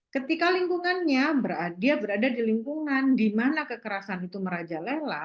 ketika lingkungannya dia berada di lingkungan di mana kekerasan itu merajalela